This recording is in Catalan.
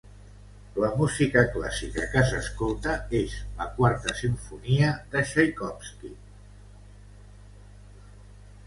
La música clàssica que s'escolta és la quarta simfonia de Txaikovski.